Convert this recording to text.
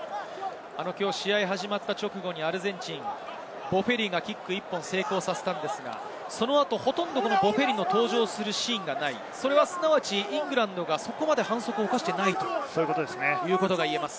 試合始まった直後にアルゼンチン、ボフェリがキック１本成功させたのですが、その後、ボフェリの登場するシーンがない、すなわちイングランドがそこまで反則を犯していないということです。